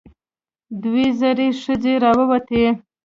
دوه زړې ښځې راووتې.